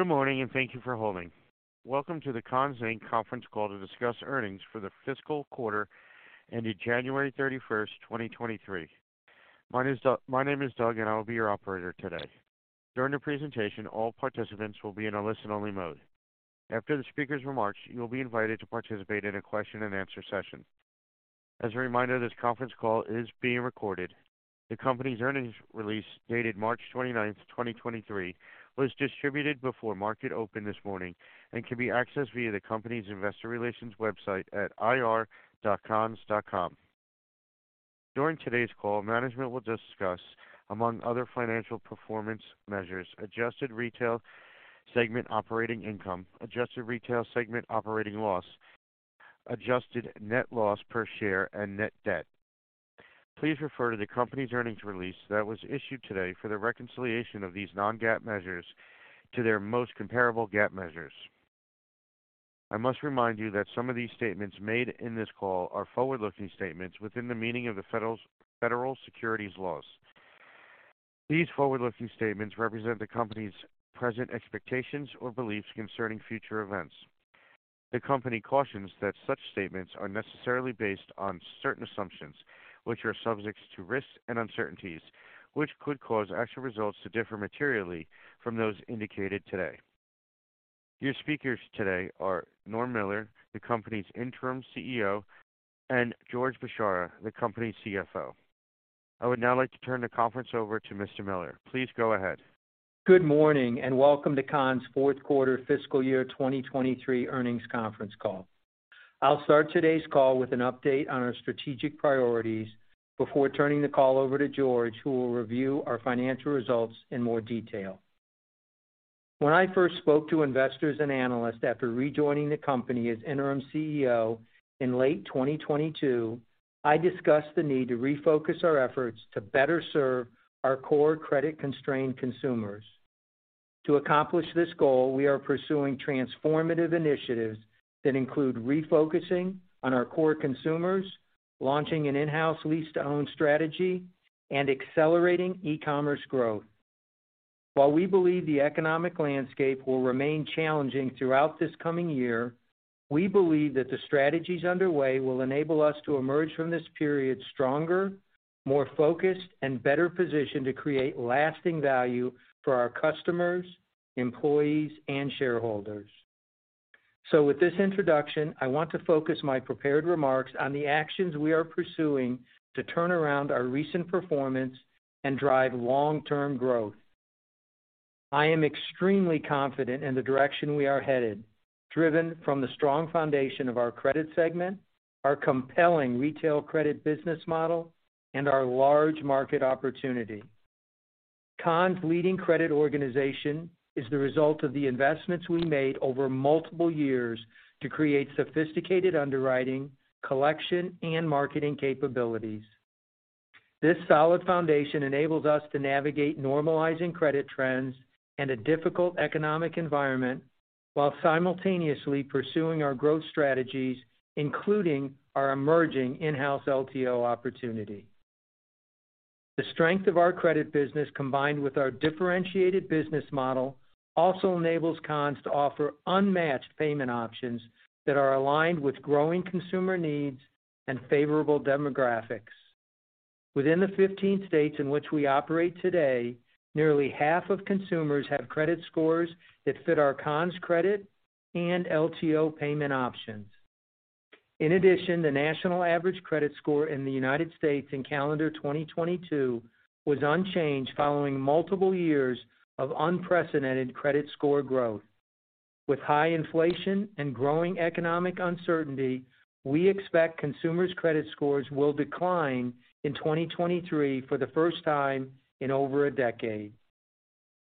Good morning. Thank you for holding. Welcome to the Conn's, Inc Conference Call to discuss earnings for the fiscal quarter ending January 31st, 2023. My name is Doug, and I will be your operator today. During the presentation, all participants will be in a listen-only mode. After the speaker's remarks, you'll be invited to participate in a question-and-answer session. As a reminder, this conference call is being recorded. The company's earnings release, dated March 29th, 2023, was distributed before market open this morning and can be accessed via the company's Investor Relations website at ir.conns.com. During today's call, management will discuss, among other financial performance measures, adjusted Retail segment operating income, adjusted Retail segment operating loss, adjusted net loss per share, and net debt. Please refer to the company's earnings release that was issued today for the reconciliation of these non-GAAP measures to their most comparable GAAP measures. I must remind you that some of these statements made in this call are forward-looking statements within the meaning of the federal securities laws. These forward-looking statements represent the company's present expectations or beliefs concerning future events. The company cautions that such statements are necessarily based on certain assumptions which are subject to risks and uncertainties, which could cause actual results to differ materially from those indicated today. Your speakers today are Norm Miller, the company's Interim CEO, and George Bchara, the company's CFO. I would now like to turn the conference over to Mr. Miller. Please go ahead. Good morning, welcome to Conn's Fourth Quarter Fiscal Year 2023 Earnings Conference Call. I'll start today's call with an update on our strategic priorities before turning the call over to George, who will review our financial results in more detail. When I first spoke to investors and analysts after rejoining the company as Interim CEO in late 2022, I discussed the need to refocus our efforts to better serve our core credit-constrained consumers. To accomplish this goal, we are pursuing transformative initiatives that include refocusing on our core consumers, launching an in-house Lease-To-Own strategy, and accelerating e-commerce growth. While we believe the economic landscape will remain challenging throughout this coming year, we believe that the strategies underway will enable us to emerge from this period stronger, more focused, and better positioned to create lasting value for our customers, employees, and shareholders. With this introduction, I want to focus my prepared remarks on the actions we are pursuing to turn around our recent performance and drive long-term growth. I am extremely confident in the direction we are headed, driven from the strong foundation of our Credit segment, our compelling retail credit business model, and our large market opportunity. Conn's leading credit organization is the result of the investments we made over multiple years to create sophisticated underwriting, collection, and marketing capabilities. This solid foundation enables us to navigate normalizing Credit trends and a difficult economic environment while simultaneously pursuing our growth strategies, including our emerging in-house LTO opportunity. The strength of our Credit business, combined with our differentiated business model, also enables Conn's to offer unmatched payment options that are aligned with growing consumer needs and favorable demographics. Within the 15 states in which we operate today, nearly half of consumers have credit scores that fit our Conn's credit and LTO payment options. In addition, the national average credit score in the United States in calendar 2022 was unchanged following multiple years of unprecedented credit score growth. With high inflation and growing economic uncertainty, we expect consumers' credit scores will decline in 2023 for the first time in over a decade.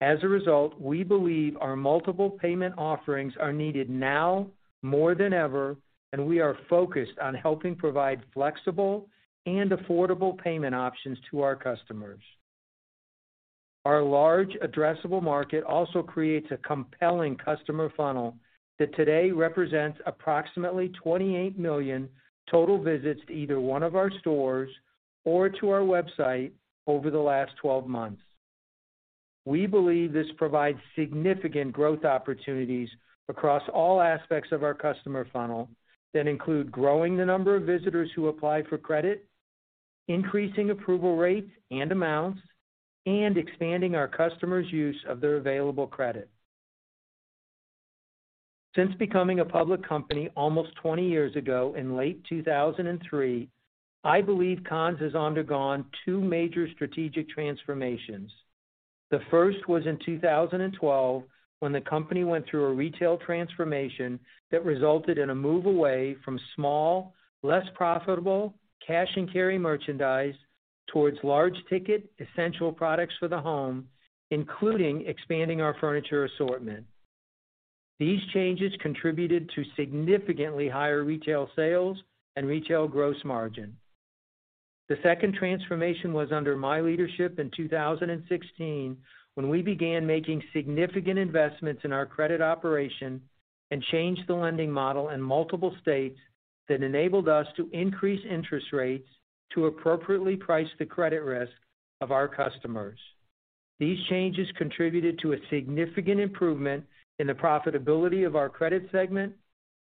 As a result, we believe our multiple payment offerings are needed now more than ever, and we are focused on helping provide flexible and affordable payment options to our customers. Our large addressable market also creates a compelling customer funnel that today represents approximately 28 million total visits to either one of our stores or to our website over the last 12 months. We believe this provides significant growth opportunities across all aspects of our customer funnel that include growing the number of visitors who apply for credit, increasing approval rates and amounts, and expanding our customers' use of their available credit. Since becoming a public company almost 20 years ago in late 2003, I believe Conn's has undergone two major strategic transformations. The first was in 2012 when the company went through a Retail transformation that resulted in a move away from small, less profitable cash and carry merchandise towards large ticket, essential products for the Home, including expanding our furniture assortment. These changes contributed to significantly higher Retail sales and Retail gross margin. The second transformation was under my leadership in 2016 when we began making significant investments in our credit operation and changed the lending model in multiple states that enabled us to increase interest rates to appropriately price the credit risk of our customers. These changes contributed to a significant improvement in the profitability of our Credit segment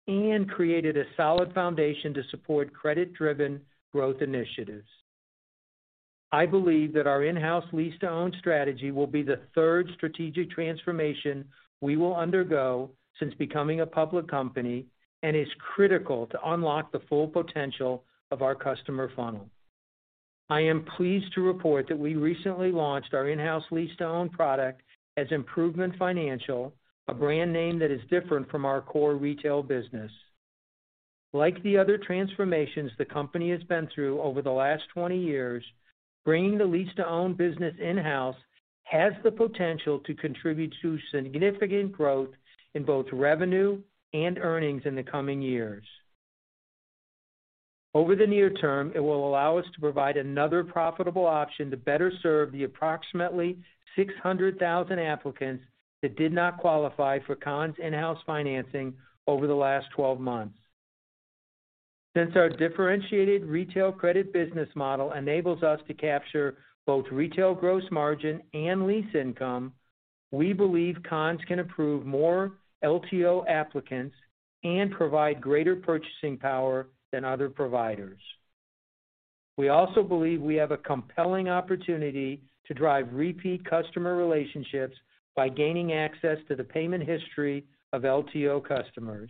and created a solid foundation to support credit-driven growth initiatives. I believe that our in-house Lease-To-Own strategy will be the third strategic transformation we will undergo since becoming a public company, is critical to unlock the full potential of our customer funnel. I am pleased to report that we recently launched our in-house Lease-To-Own product as Improvemint Financial, a brand name that is different from our core Retail business. Like the other transformations the company has been through over the last 20 years, bringing the Lease-To-Own business in-house has the potential to contribute to significant growth in both revenue and earnings in the coming years. Over the near term, it will allow us to provide another profitable option to better serve the approximately 600,000 applicants that did not qualify for Conn's in-house financing over the last 12 months. Since our differentiated Retail Credit business model enables us to capture both Retail gross margin and lease income, we believe Conn's can approve more LTO applicants and provide greater purchasing power than other providers. We also believe we have a compelling opportunity to drive repeat customer relationships by gaining access to the payment history of LTO customers.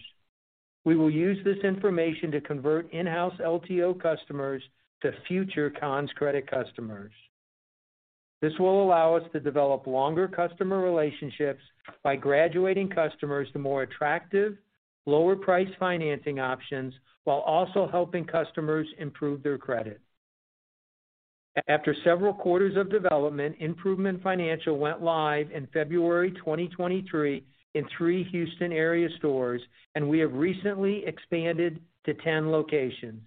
We will use this information to convert in-house LTO customers to future Conn's Credit customers. This will allow us to develop longer customer relationships by graduating customers to more attractive, lower-priced financing options while also helping customers improve their credit. After several quarters of development, Improvemint Financial went live in February 2023 in three Houston-area stores, and we have recently expanded to 10 locations.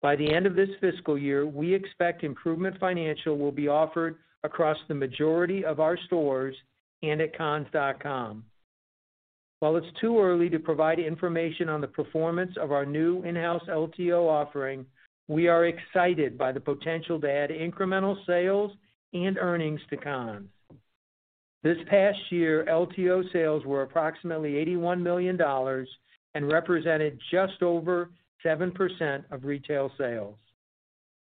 By the end of this fiscal year, we expect Improvemint Financial will be offered across the majority of our stores and at conns.com. While it's too early to provide information on the performance of our new in-house LTO offering, we are excited by the potential to add incremental sales and earnings to Conn's. This past year, LTO sales were approximately $81 million and represented just over 7% of Retail sales.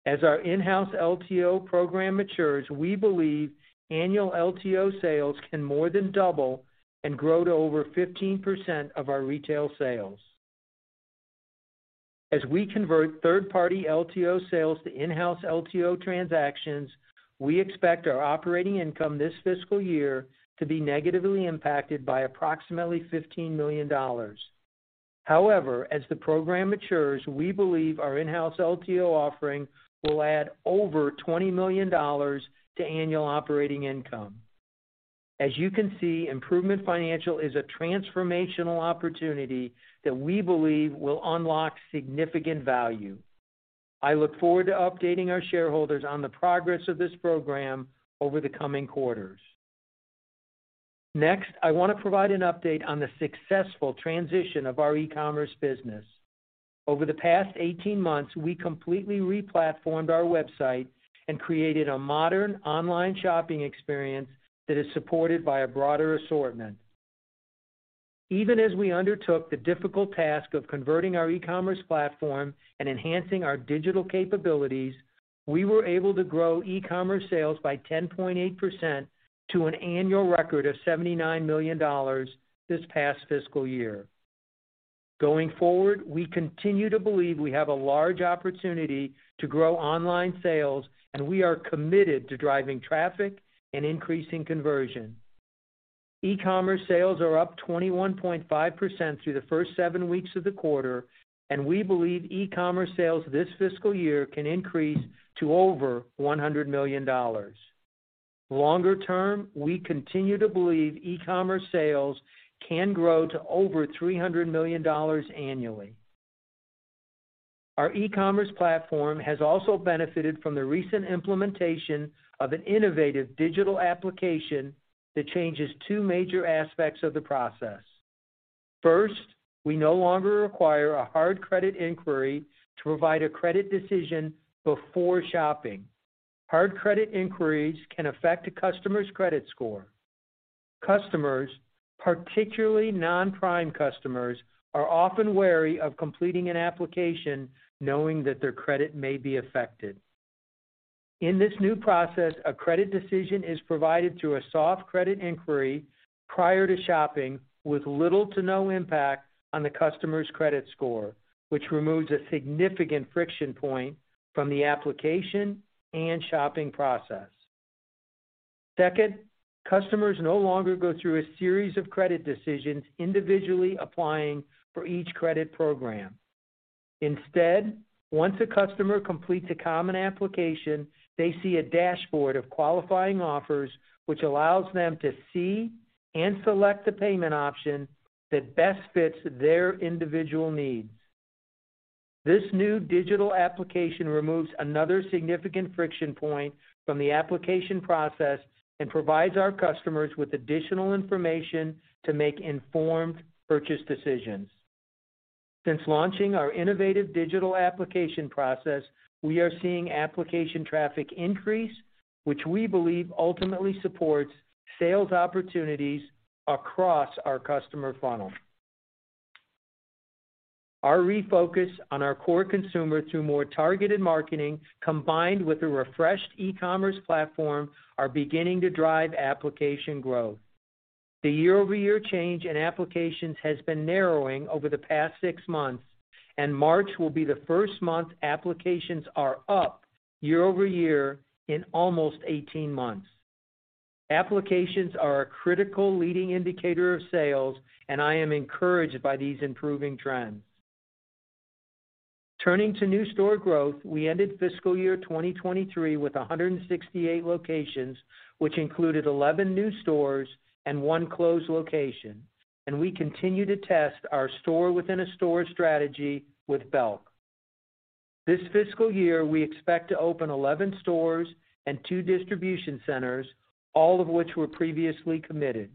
As our in-house LTO program matures, we believe annual LTO sales can more than double and grow to over 15% of our Retail sales. As we convert third-party LTO sales to in-house LTO transactions, we expect our operating income this fiscal year to be negatively impacted by approximately $15 million. As the program matures, we believe our in-house LTO offering will add over $20 million to annual operating income. As you can see, Improvemint Financial is a transformational opportunity that we believe will unlock significant value. I look forward to updating our shareholders on the progress of this program over the coming quarters. I want to provide an update on the successful transition of our E-commerce business. Over the past 18 months, we completely replatformed our website and created a modern online shopping experience that is supported by a broader assortment. Even as we undertook the difficult task of converting our E-commerce platform and enhancing our digital capabilities, we were able to grow E-commerce sales by 10.8% to an annual record of $79 million this past fiscal year. Going forward, we continue to believe we have a large opportunity to grow online sales, and we are committed to driving traffic and increasing conversion. E-commerce sales are up 21.5% through the first seven weeks of the quarter, and we believe E-commerce sales this fiscal year can increase to over $100 million. Longer term, we continue to believe E-commerce sales can grow to over $300 million annually. Our E-commerce platform has also benefited from the recent implementation of an innovative digital application that changes two major aspects of the process. First, we no longer require a hard credit inquiry to provide a credit decision before shopping. Hard credit inquiries can affect a customer's credit score. Customers, particularly non-prime customers, are often wary of completing an application knowing that their credit may be affected. In this new process, a credit decision is provided through a soft credit inquiry prior to shopping with little to no impact on the customer's credit score, which removes a significant friction point from the application and shopping process. Second, customers no longer go through a series of credit decisions individually applying for each credit program. Instead, once a customer completes a common application, they see a dashboard of qualifying offers, which allows them to see and select the payment option that best fits their individual needs. This new digital application removes another significant friction point from the application process and provides our customers with additional information to make informed purchase decisions. Since launching our innovative digital application process, we are seeing application traffic increase, which we believe ultimately supports sales opportunities across our customer funnel. Our refocus on our core consumer through more targeted marketing combined with a refreshed E-commerce platform are beginning to drive application growth. The year-over-year change in applications has been narrowing over the past six months. March will be the first month applications are up year-over-year in almost 18 months. Applications are a critical leading indicator of sales. I am encouraged by these improving trends. Turning to new store growth, we ended fiscal year 2023 with 168 locations, which included 11 new stores and one closed location. We continue to test our store-within-a-store strategy with Belk. This fiscal year, we expect to open 11 stores and two distribution centers, all of which were previously committed.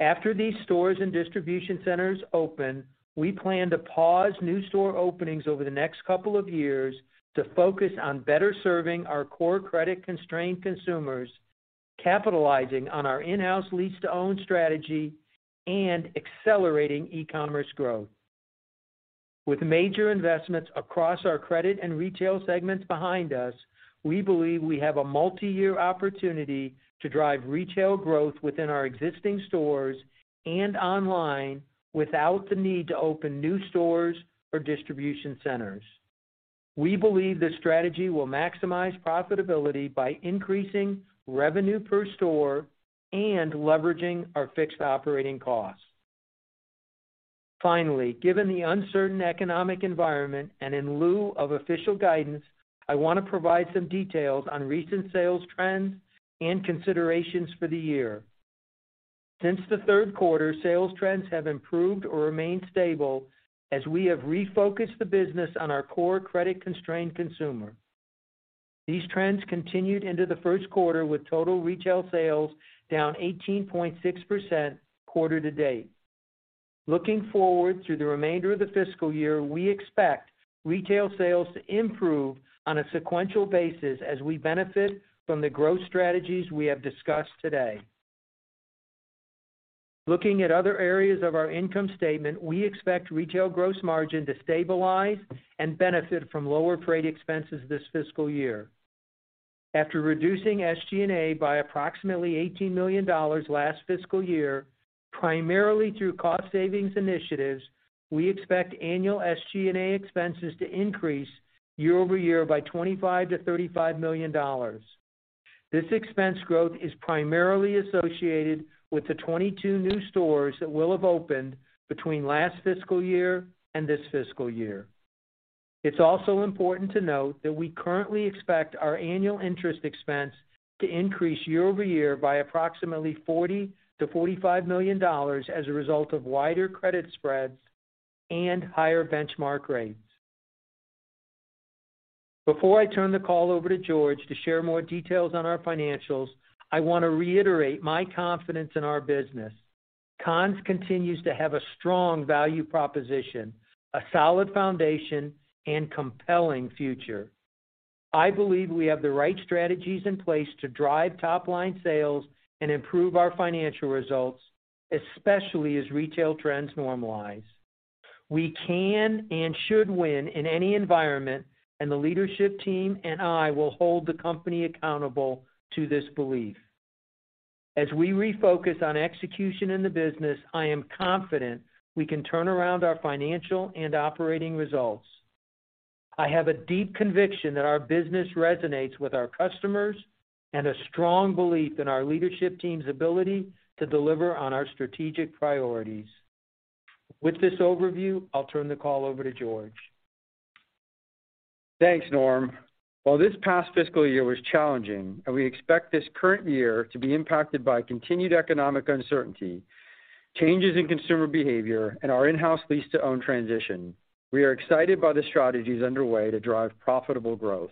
After these stores and distribution centers open, we plan to pause new store openings over the next couple of years to focus on better serving our core credit-constrained consumers, capitalizing on our in-house Lease-To-Own strategy and accelerating E-commerce growth. With major investments across our Credit and Retail segments behind us, we believe we have a multiyear opportunity to drive Retail growth within our existing stores and online without the need to open new stores or distribution centers. We believe this strategy will maximize profitability by increasing revenue per store and leveraging our fixed operating costs. Finally, given the uncertain economic environment and in lieu of official guidance, I want to provide some details on recent sales trends and considerations for the year. Since the third quarter, sales trends have improved or remained stable as we have refocused the business on our core credit-constrained consumer. These trends continued into the first quarter with total Retail sales down 18.6% quarter-to-date. Looking forward through the remainder of the fiscal year, we expect Retail sales to improve on a sequential basis as we benefit from the growth strategies we have discussed today. Looking at other areas of our income statement, we expect Retail gross margin to stabilize and benefit from lower freight expenses this fiscal year. After reducing SG&A by approximately $18 million last fiscal year, primarily through cost savings initiatives, we expect annual SG&A expenses to increase year-over-year by $25 million-$35 million. This expense growth is primarily associated with the 22 new stores that will have opened between last fiscal year and this fiscal year. It's also important to note that we currently expect our annual interest expense to increase year-over-year by approximately $40 million-$45 million as a result of wider Credit spreads and higher benchmark rates. Before I turn the call over to George to share more details on our financials, I want to reiterate my confidence in our business. Conn's continues to have a strong value proposition, a solid foundation, and compelling future. I believe we have the right strategies in place to drive top-line sales and improve our financial results, especially as Retail trends normalize. We can and should win in any environment, and the leadership team and I will hold the company accountable to this belief. As we refocus on execution in the business, I am confident we can turn around our financial and operating results. I have a deep conviction that our business resonates with our customers and a strong belief in our leadership team's ability to deliver on our strategic priorities. With this overview, I'll turn the call over to George. Thanks, Norm. While this past fiscal year was challenging, and we expect this current year to be impacted by continued economic uncertainty, changes in consumer behavior, and our in-house Lease-To-Own transition, we are excited by the strategies underway to drive profitable growth.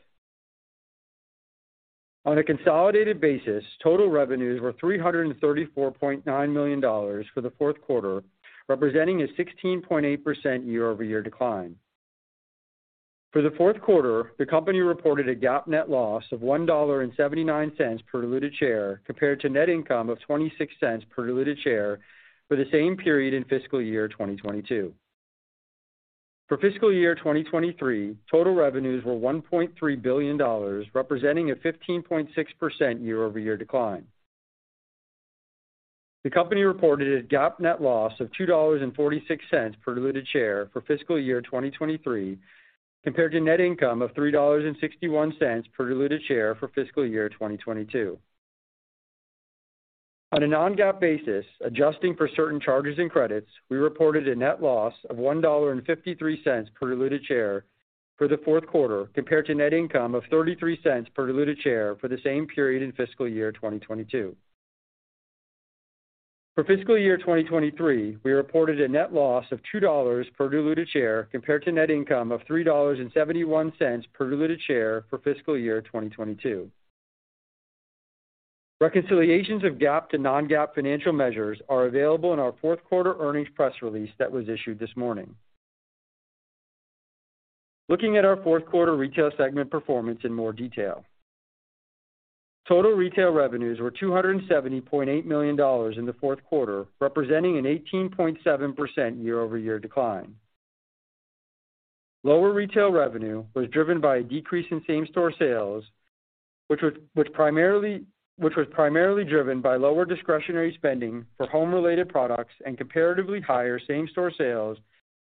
On a consolidated basis, total revenues were $334.9 million for the fourth quarter, representing a 16.8% year-over-year decline. For the fourth quarter, the company reported a GAAP net loss of $1.79 per diluted share compared to net income of $0.26 per diluted share for the same period in fiscal year 2022. For fiscal year 2023, total revenues were $1.3 billion, representing a 15.6% year-over-year decline. The company reported a GAAP net loss of $2.46 per diluted share for fiscal year 2023 compared to net income of $3.61 per diluted share for fiscal year 2022. On a non-GAAP basis, adjusting for certain charges and credits, we reported a net loss of $1.53 per diluted share for the fourth quarter compared to net income of $0.33 per diluted share for the same period in fiscal year 2022. For fiscal year 2023, we reported a net loss of $2.00 per diluted share compared to net income of $3.71 per diluted share for fiscal year 2022. Reconciliations of GAAP to non-GAAP financial measures are available in our fourth quarter earnings press release that was issued this morning. Looking at our fourth quarter Retail segment performance in more detail. Total Retail revenues were $270.8 million in the fourth quarter, representing an 18.7% year-over-year decline. Lower Retail revenue was driven by a decrease in same-store sales, which was primarily driven by lower discretionary spending for home-related products and comparatively higher same-store sales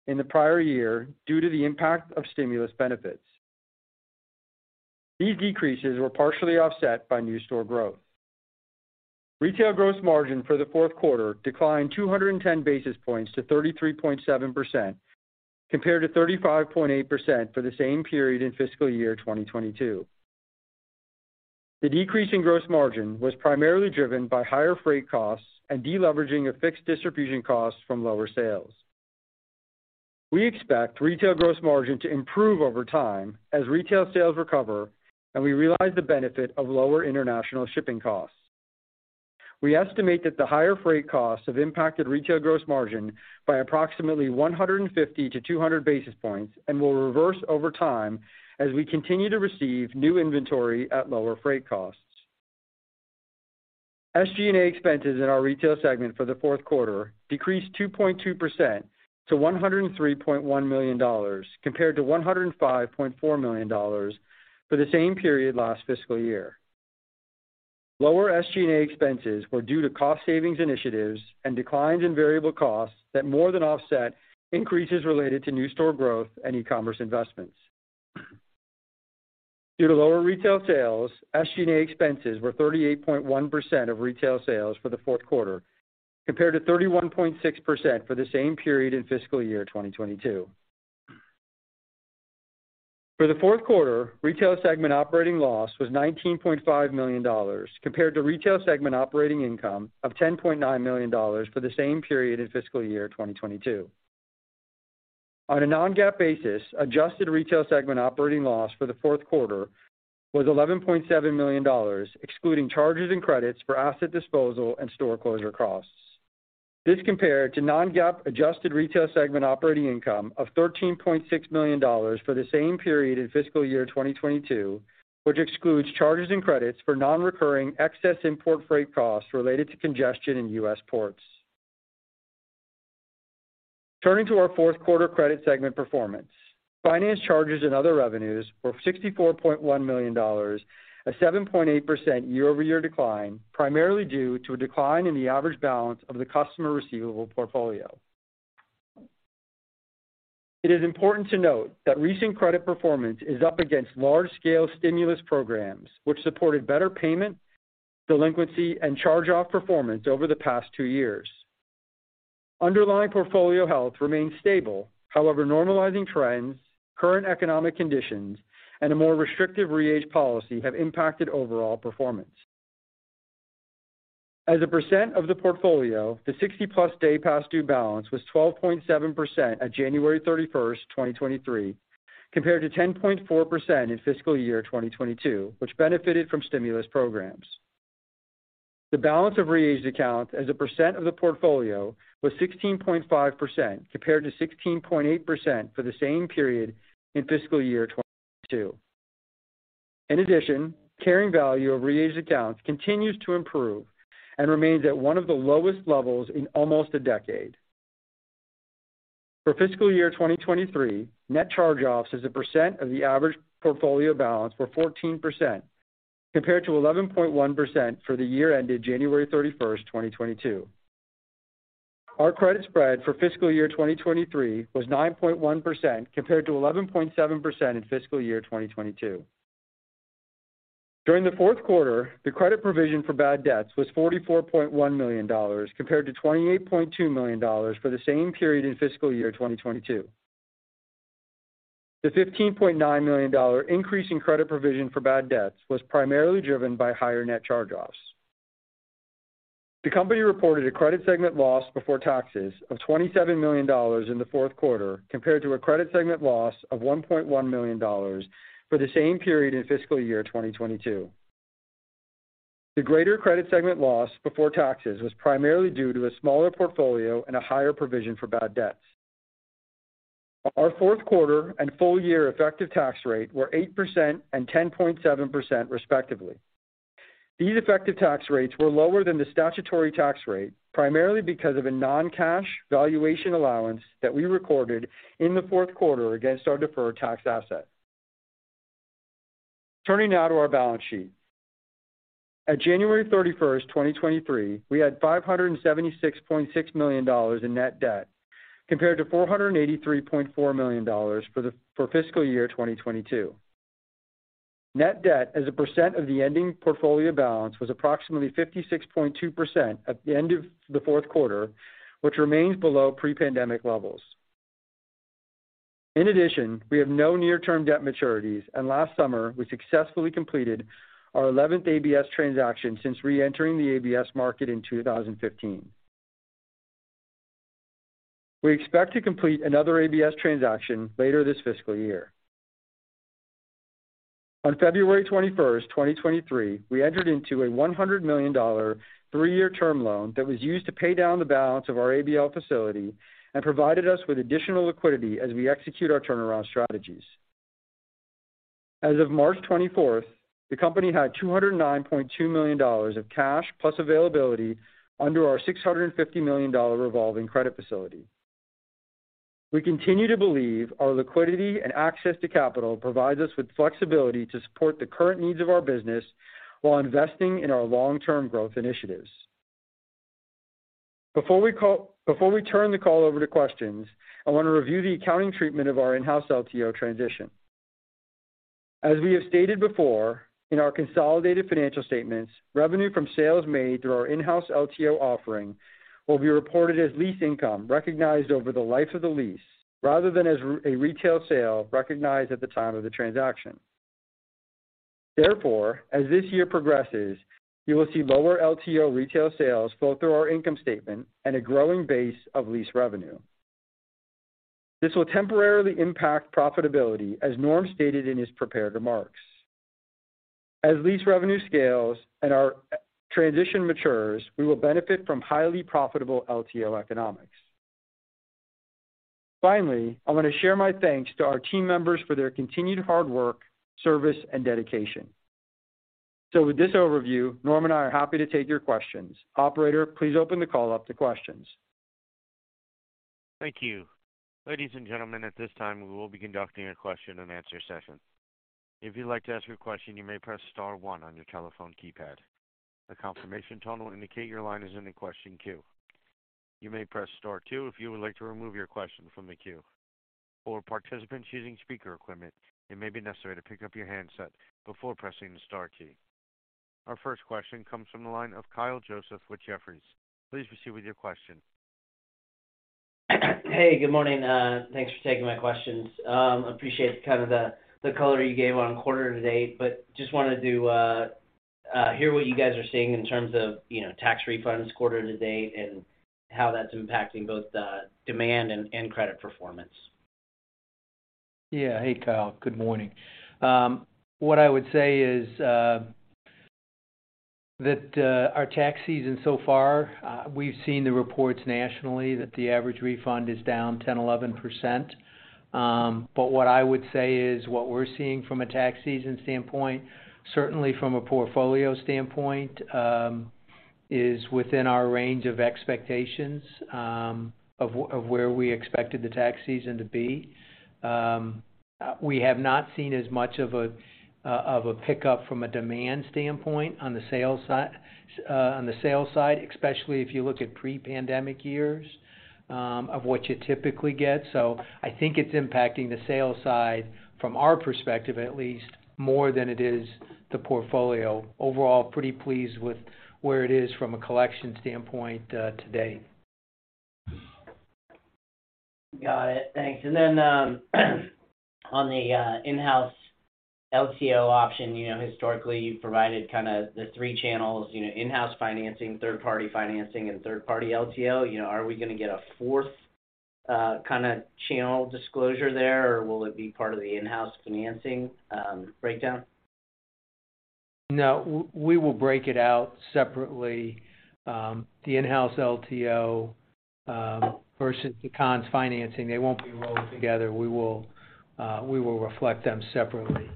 in the prior year due to the impact of stimulus benefits. These decreases were partially offset by new store growth. Retail gross margin for the fourth quarter declined 210 basis points to 33.7% compared to 35.8% for the same period in fiscal year 2022. The decrease in gross margin was primarily driven by higher freight costs and de-leveraging of fixed distribution costs from lower sales. We expect Retail gross margin to improve over time as Retail sales recover, and we realize the benefit of lower international shipping costs. We estimate that the higher freight costs have impacted Retail gross margin by approximately 150-200 basis points and will reverse over time as we continue to receive new inventory at lower freight costs. SG&A expenses in our Retail segment for the fourth quarter decreased 2.2% to $103.1 million compared to $105.4 million for the same period last fiscal year. Lower SG&A expenses were due to cost savings initiatives and declines in variable costs that more than offset increases related to new store growth and e-commerce investments. Due to lower Retail sales, SG&A expenses were 38.1% of Retail sales for the fourth quarter, compared to 31.6% for the same period in fiscal year 2022. For the fourth quarter, Retail segment operating loss was $19.5 million compared to Retail segment operating income of $10.9 million for the same period in fiscal year 2022. On a non-GAAP basis, adjusted Retail segment operating loss for the fourth quarter was $11.7 million, excluding charges and credits for asset disposal and store closure costs. This compared to non-GAAP adjusted Retail segment operating income of $13.6 million for the same period in fiscal year 2022, which excludes charges and credits for non-recurring excess import freight costs related to congestion in U.S. ports. Turning to our fourth quarter Credit segment performance. Finance charges and other revenues were $64.1 million, a 7.8% year-over-year decline, primarily due to a decline in the average balance of the customer receivable portfolio. It is important to note that recent Credit performance is up against large-scale stimulus programs which supported better payment, delinquency, and charge-off performance over the past two years. Underlying portfolio health remains stable. Normalizing trends, current economic conditions, and a more restrictive re-age policy have impacted overall performance. As a percent of the portfolio, the 60+ day past due balance was 12.7% at January 31st, 2023, compared to 10.4% in fiscal year 2022, which benefited from stimulus programs. The balance of re-aged accounts as a percent of the portfolio was 16.5%, compared to 16.8% for the same period in fiscal year 2022. In addition, carrying value of re-aged accounts continues to improve and remains at one of the lowest levels in almost a decade. For fiscal year 2023, net charge-offs as a percent of the average portfolio balance were 14% compared to 11.1% for the year ended January 31st, 2022. Our Credit spread for fiscal year 2023 was 9.1% compared to 11.7% in fiscal year 2022. During the fourth quarter, the credit provision for bad debts was $44.1 million compared to $28.2 million for the same period in fiscal year 2022. The $15.9 million increase in credit provision for bad debts was primarily driven by higher net charge-offs. The company reported a Credit segment loss before taxes of $27 million in the fourth quarter, compared to a Credit segment loss of $1.1 million for the same period in fiscal year 2022. The greater Credit segment loss before taxes was primarily due to a smaller portfolio and a higher provision for bad debts. Our fourth quarter and full-year effective tax rate were 8% and 10.7%, respectively. These effective tax rates were lower than the statutory tax rate, primarily because of a non-cash valuation allowance that we recorded in the fourth quarter against our deferred tax asset. Turning now to our balance sheet. At January 31, 2023, we had $576.6 million in net debt, compared to $483.4 million for fiscal year 2022. Net debt as a percent of the ending portfolio balance was approximately 56.2% at the end of the fourth quarter, which remains below pre-pandemic levels. In addition, we have no near-term debt maturities, and last summer, we successfully completed our 11th ABS transaction since reentering the ABS market in 2015. We expect to complete another ABS transaction later this fiscal year. On February 21st, 2023, we entered into a $100 million three-year term loan that was used to pay down the balance of our ABL facility and provided us with additional liquidity as we execute our turnaround strategies. As of March 24, the company had $209.2 million of cash plus availability under our $650 million revolving credit facility. We continue to believe our liquidity and access to capital provides us with flexibility to support the current needs of our business while investing in our long-term growth initiatives. Before we turn the call over to questions, I want to review the accounting treatment of our in-house LTO transition. As we have stated before, in our consolidated financial statements, revenue from sales made through our in-house LTO offering will be reported as lease income recognized over the life of the lease rather than as a Retail sale recognized at the time of the transaction. Therefore, as this year progresses, you will see lower LTO Retail sales flow through our income statement and a growing base of lease revenue. This will temporarily impact profitability, as Norm stated in his prepared remarks. As lease revenue scales and our transition matures, we will benefit from highly profitable LTO economics. Finally, I want to share my thanks to our team members for their continued hard work, service, and dedication. With this overview, Norm and I are happy to take your questions. Operator, please open the call up to questions. Thank you. Ladies and gentlemen, at this time, we will be conducting a question-and-answer session. If you'd like to ask a question, you may press star one on your telephone keypad. A confirmation tone will indicate your line is in the question queue. You may press star two if you would like to remove your question from the queue. For participants using speaker equipment, it may be necessary to pick up your handset before pressing the star key. Our first question comes from the line of Kyle Joseph with Jefferies. Please proceed with your question. Hey, good morning. Thanks for taking my questions. Appreciate kind of the color you gave on quarter-to-date. Just wanted to hear what you guys are seeing in terms of, you know, tax refunds quarter-to-date and how that's impacting both the demand and credit performance. Yeah. Hey, Kyle. Good morning. What I would say is that our tax season so far, we've seen the reports nationally that the average refund is down 10%, 11%. What I would say is what we're seeing from a tax season standpoint, certainly from a portfolio standpoint, is within our range of expectations of where we expected the tax season to be. We have not seen as much of a pickup from a demand standpoint on the sales side, especially if you look at pre-pandemic years, of what you typically get. I think it's impacting the sales side from our perspective at least more than it is the portfolio. Overall, pretty pleased with where it is from a collection standpoint to date. Got it. Thanks. On the in-house LTO option, you know, historically, you've provided kind of the three channels, you know, in-house financing, third-party financing, and third-party LTO. You know, are we gonna get a fourth, kind of channel disclosure there, or will it be part of the in-house financing breakdown? No. We will break it out separately. The in-house LTO versus the Conn's financing, they won't be rolled together. We will reflect them separately.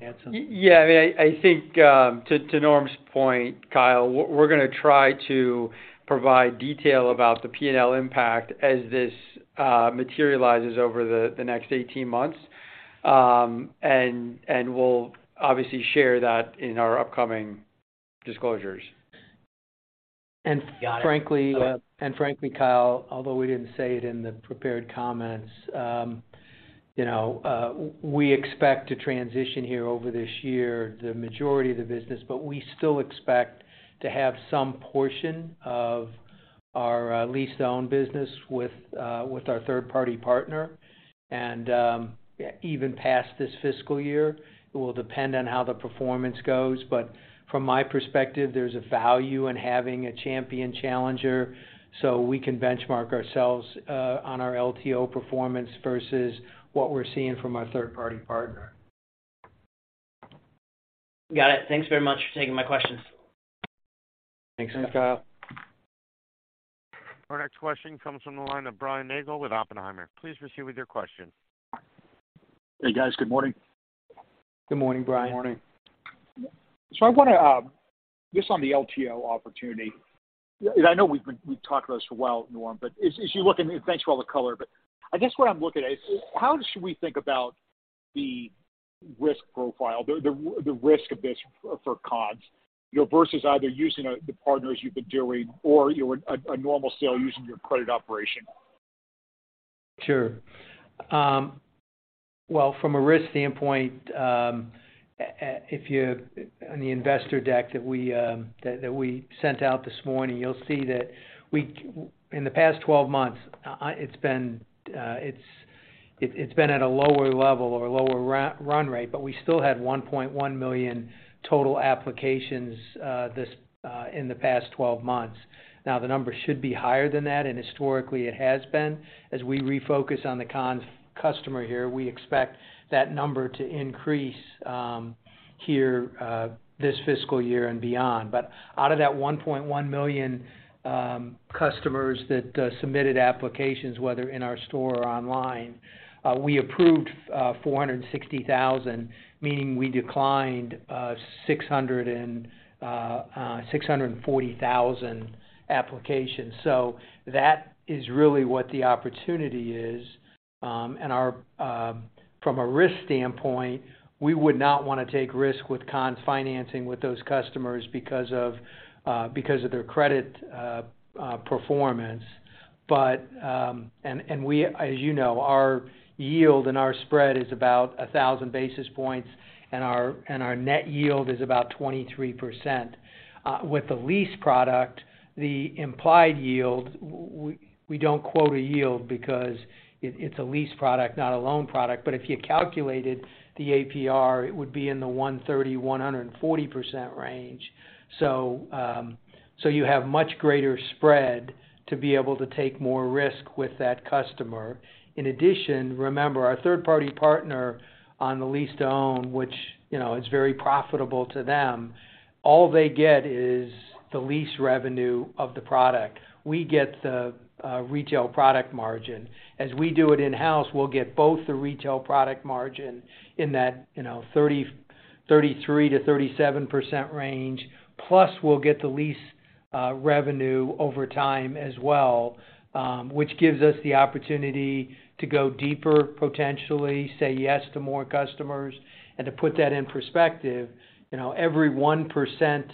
Answer on? Yeah. I think, to Norm's point, Kyle, we're gonna try to provide detail about the P&L impact as this materializes over the next 18 months. We'll obviously share that in our upcoming disclosures. Got it. Okay. Frankly, Kyle, although we didn't say it in the prepared comments, you know, we expect to transition here over this year the majority of the business, but we still expect to have some portion of our Lease-To-Own business with our third-party partner. Even past this fiscal year, it will depend on how the performance goes. From my perspective, there's a value in having a champion challenger so we can benchmark ourselves on our LTO performance versus what we're seeing from our third-party partner. Got it. Thanks very much for taking my questions. Thanks. Thanks, Kyle. Our next question comes from the line of Brian Nagel with Oppenheimer. Please proceed with your question. Hey, guys. Good morning. Good morning, Brian. Good morning. I wanna just on the LTO opportunity, I know we've talked about this for a while, Norm, as you look and thanks for all the color, I guess what I'm looking at is how should we think about the risk profile, the risk of this for Conn's, you know, versus either using the partners you've been doing or your a normal sale using your credit operation? Sure. Well, from a risk standpoint, if you on the investor deck that we sent out this morning, you'll see that in the past 12 months, it's been at a lower level or lower run rate, but we still had $1.1 million total applications in the past 12 months. The number should be higher than that, and historically it has been. As we refocus on the Conn's customer here, we expect that number to increase here this fiscal year and beyond. Out of that $1.1 million customers that submitted applications, whether in our store or online, we approved 460,000, meaning we declined 640,000 applications. That is really what the opportunity is and our, from a risk standpoint, we would not wanna take risk with Conn's financing with those customers because of, because of their credit, performance. And we, as you know, our yield and our spread is about 1,000 basis points, and our, and our net yield is about 23%. With the lease product, the implied yield, we don't quote a yield because it's a lease product, not a loan product. If you calculated the APR, it would be in the 130%-140% range. You have much greater spread to be able to take more risk with that customer. In addition, remember, our third-party partner on the Lease-To-Own, which, you know, is very profitable to them, all they get is the lease revenue of the product. We get the Retail product margin. As we do it in-house, we'll get both the Retail product margin in that, you know, 30%, 33%-37% range, plus we'll get the lease revenue over time as well, which gives us the opportunity to go deeper, potentially say yes to more customers. To put that in perspective, you know, every 1%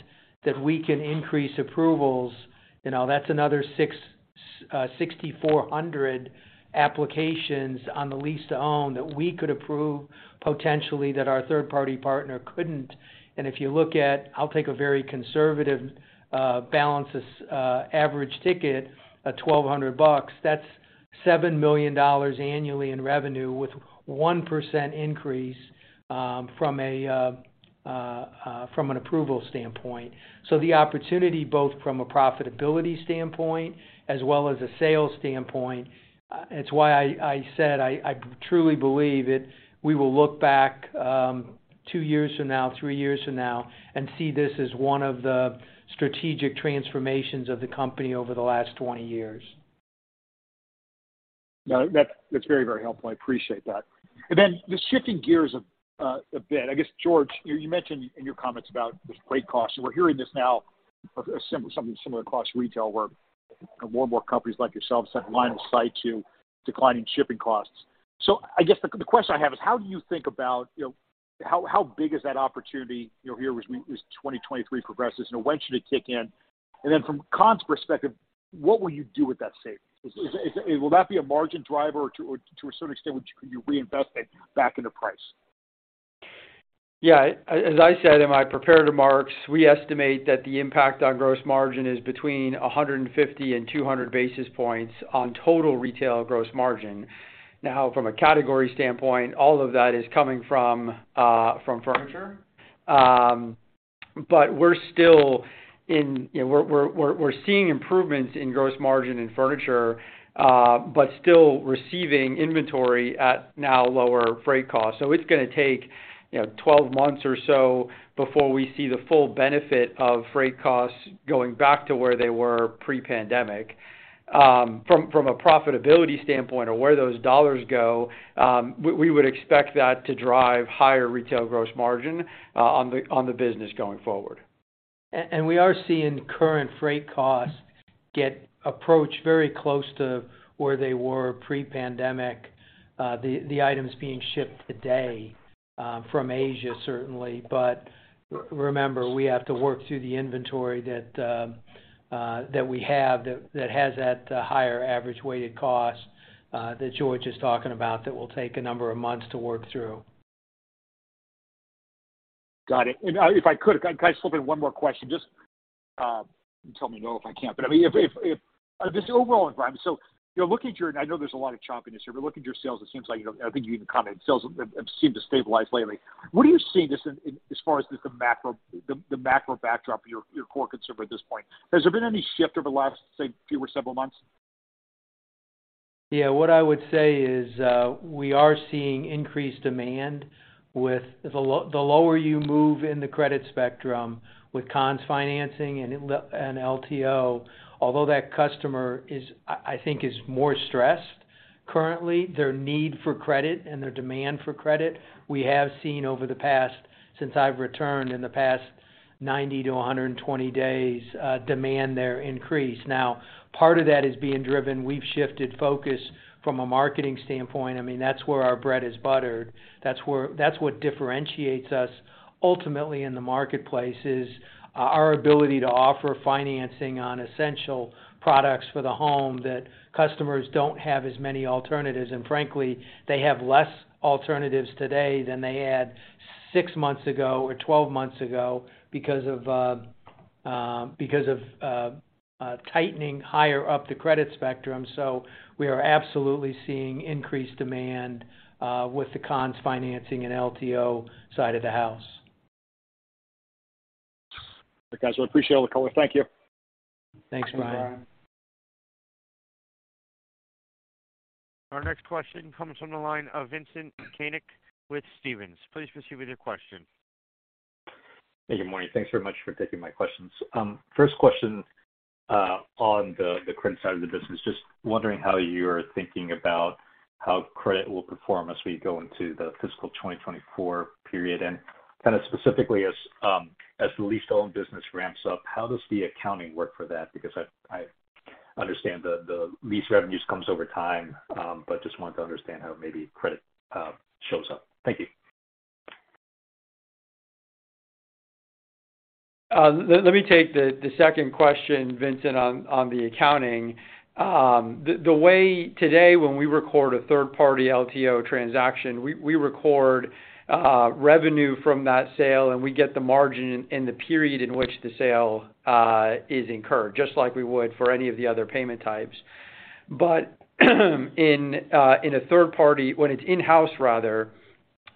that we can increase approvals, you know, that's another 6,400 applications on the Lease-To-Own that we could approve potentially that our third-party partner couldn't. If you look at, I'll take a very conservative balance as average ticket at $1,200, that's $7 million annually in revenue with 1% increase from an approval standpoint. The opportunity both from a profitability standpoint as well as a sales standpoint, it's why I said I truly believe it. We will look back, two years from now, three years from now and see this as one of the strategic transformations of the company over the last 20 years. No, that's very helpful. I appreciate that. Just shifting gears a bit, I guess, George, you mentioned in your comments about this freight cost, and we're hearing this now, something similar across Retail where more and more companies like yourself set line of sight to declining shipping costs. I guess the question I have is: How do you think about, you know, how big is that opportunity, you know, here as 2023 progresses, and when should it kick in? From Conn's perspective, what will you do with that savings? Will that be a margin driver to a certain extent, which you reinvest it back into price? As I said in my prepared remarks, we estimate that the impact on gross margin is between 150 and 200 basis points on total Retail gross margin. From a category standpoint, all of that is coming from Furniture. But we're still in, you know, we're seeing improvements in gross margin in Furniture, but still receiving inventory at now lower freight costs. It's gonna take, you know, 12 months or so before we see the full benefit of freight costs going back to where they were pre-pandemic. From a profitability standpoint or where those dollars go, we would expect that to drive higher Retail gross margin on the business going forward. We are seeing current freight costs get approached very close to where they were pre-pandemic, the items being shipped today, from Asia, certainly. Remember, we have to work through the inventory that we have that has that, higher average weighted cost, that George is talking about that will take a number of months to work through. Got it. If I could I slip in one more question? Just tell me no if I can't. I mean, if, if this overall environment... You're looking at your... I know there's a lot of choppiness here, but looking at your sales, it seems like, you know, I think you even commented, sales have seemed to stabilize lately. What are you seeing just in as far as just the macro, the macro backdrop of your core consumer at this point? Has there been any shift over the last, say, few or several months? Yeah. What I would say is, we are seeing increased demand with the lower you move in the credit spectrum with Conn's financing and LTO, although that customer is, I think is more stressed currently, their need for credit and their demand for credit, we have seen over the past, since I've returned, in the past 90-120 days, demand there increase. Part of that is being driven. We've shifted focus from a marketing standpoint. I mean, that's where our bread is buttered. That's what differentiates us ultimately in the marketplace, is, our ability to offer financing on essential products for the home that customers don't have as many alternatives. Frankly, they have less alternatives today than they had six months ago or 12 months ago because of tightening higher up the credit spectrum. We are absolutely seeing increased demand with the Conn's financing and LTO side of the house. Okay. I appreciate all the color. Thank you. Thanks, Brian. Our next question comes from the line of Vincent Caintic with Stephens. Please proceed with your question. Hey, good morning. Thanks very much for taking my questions. First question on the Credit side of the business. Just wondering how you're thinking about how Credit will perform as we go into the fiscal 2024 period, and kind of specifically as the Lease-To-Own business ramps up, how does the accounting work for that? Because I understand the lease revenues comes over time, but just wanted to understand how maybe credit shows up. Thank you. Let me take the second question, Vincent, on the accounting. The way today when we record a third-party LTO transaction, we record revenue from that sale, and we get the margin in the period in which the sale is incurred, just like we would for any of the other payment types. In a third party, when it's in-house rather,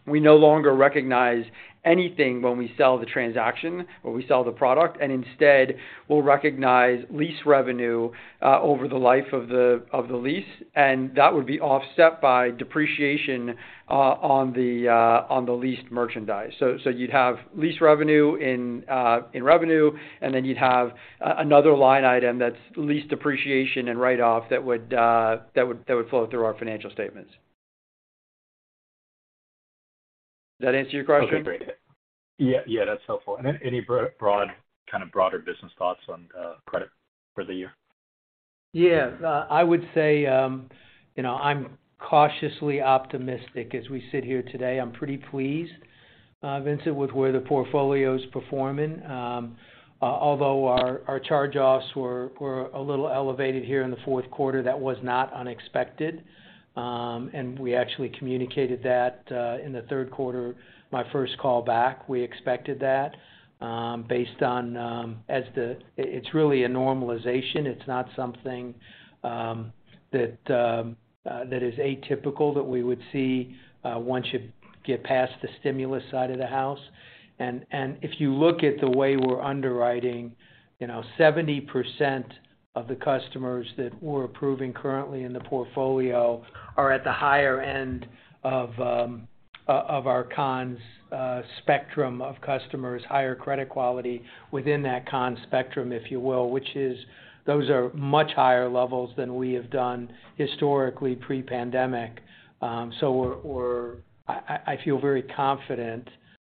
we no longer recognize anything when we sell the transaction or we sell the product, and instead we'll recognize lease revenue over the life of the lease, and that would be offset by depreciation on the leased merchandise. You'd have lease revenue in revenue, and then you'd have another line item that's lease depreciation and write off that would flow through our financial statements. Did that answer your question? Okay, great. Yeah, that's helpful. Any broad, kind of broader business thoughts on Credit for the year? Yeah. I would say, you know, I'm cautiously optimistic as we sit here today. I'm pretty pleased, Vincent, with where the portfolio's performing. Although our charge offs were a little elevated here in the fourth quarter, that was not unexpected. We actually communicated that, in the third quarter, my first call back. We expected that, based on, It's really a normalization. It's not something, that is atypical that we would see, once you get past the stimulus side of the house. If you look at the way we're underwriting, you know, 70% of the customers that we're approving currently in the portfolio are at the higher end of our Conn's spectrum of customers, higher credit quality within that Conn's spectrum, if you will, which is those are much higher levels than we have done historically pre-pandemic. I feel very confident,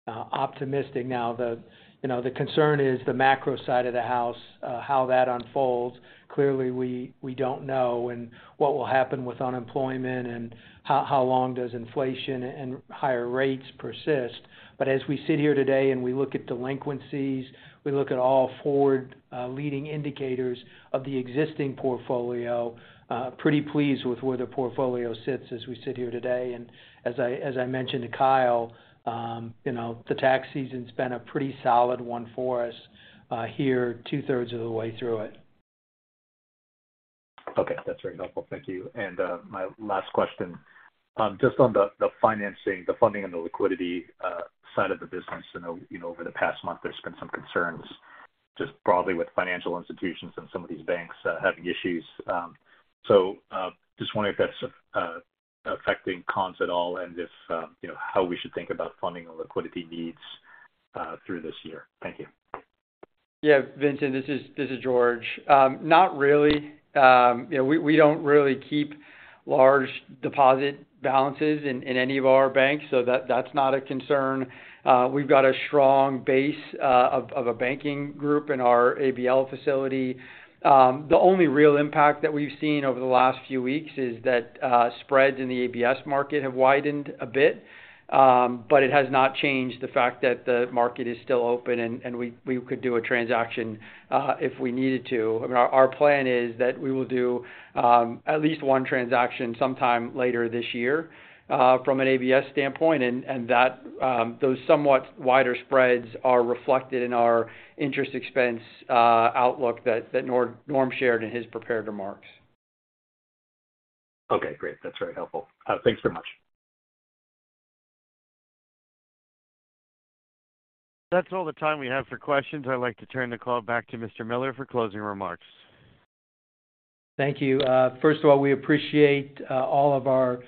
optimistic now that, you know, the concern is the macro side of the house, how that unfolds. Clearly, we don't know. What will happen with unemployment and how long does inflation and higher rates persist? As we sit here today and we look at delinquencies, we look at all forward leading indicators of the existing portfolio, pretty pleased with where the portfolio sits as we sit here today. As I mentioned to Kyle, you know, the tax season's been a pretty solid one for us, here 2/3 of the way through it. Okay, that's very helpful. Thank you. My last question, just on the financing, the funding and the liquidity side of the business. I know, you know, over the past month, there's been some concerns just broadly with financial institutions and some of these banks having issues. Just wondering if that's affecting Conn's at all and if, you know, how we should think about funding and liquidity needs through this year. Thank you. Yeah, Vincent, this is George. Not really. You know, we don't really keep large deposit balances in any of our banks, so that's not a concern. We've got a strong base of a banking group in our ABL facility. The only real impact that we've seen over the last few weeks is that spreads in the ABS market have widened a bit, but it has not changed the fact that the market is still open and we could do a transaction if we needed to. I mean, our plan is that we will do at least one transaction sometime later this year from an ABS standpoint, and that those somewhat wider spreads are reflected in our interest expense outlook that Norm shared in his prepared remarks. Okay, great. That's very helpful. Thanks so much. That's all the time we have for questions. I'd like to turn the call back to Mr. Miller for closing remarks. Thank you. First of all, we appreciate all of our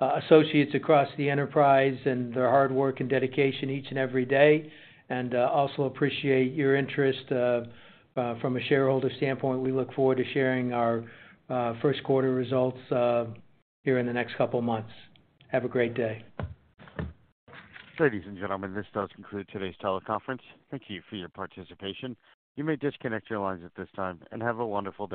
associates across the enterprise and their hard work and dedication each and every day, and also appreciate your interest from a shareholder standpoint. We look forward to sharing our first quarter results here in the next couple months. Have a great day. Ladies and gentlemen, this does conclude today's teleconference. Thank you for your participation. You may disconnect your lines at this time. Have a wonderful day.